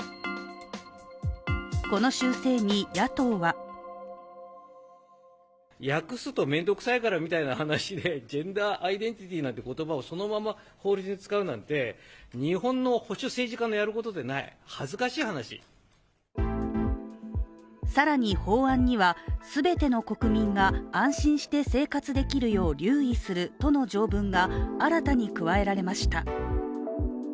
この修正に野党は更に法案には、全ての国民が安心して生活できるよう留意するとの条文が新たに加えられました。